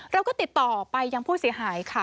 เราก็ติดต่อไปยังผู้เสียหายค่ะ